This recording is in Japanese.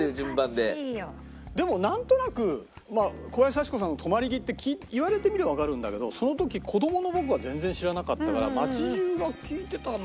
でもなんとなくまあ小林幸子さんの『とまり木』って言われてみればわかるんだけどその時子どもの僕は全然知らなかったから街中が聴いてたのかな？っていう気もするんだよね。